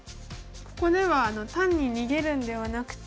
ここでは単に逃げるんではなくて。